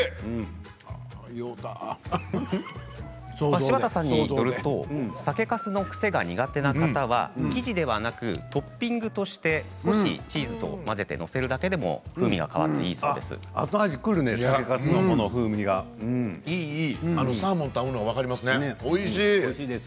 柴田さんによると酒かすの癖が苦手な方は生地ではなくトッピングとしてチーズと混ぜて載せるだけでも風味が変わってくるそうです。